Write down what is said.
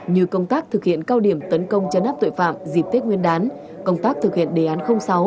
như công tác thực hiện cao điểm tấn công chấn áp tội phạm dịp tết nguyên đán công tác thực hiện đề án sáu